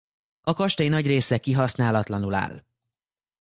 A kastély nagy része kihasználatlanul áll.